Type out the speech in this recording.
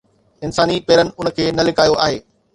انساني پيرن ان کي نه لڪايو آهي